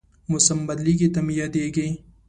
موسم بدلېږي، ته مې یادېږې